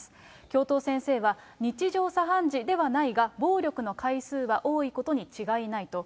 教頭先生は、日常茶飯事ではないが、暴力の回数は多いことに違いないと。